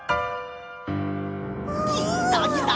きたきた！